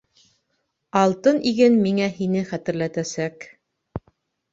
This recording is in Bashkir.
Алтын иген миңә һине хәтерләтәсәк.